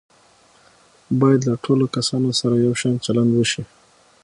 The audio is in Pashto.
باید له ټولو کسانو سره یو شان چلند وشي.